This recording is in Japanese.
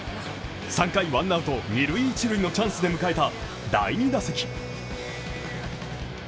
３回ワンアウト、二塁・一塁のチャンスで迎えた第２打席。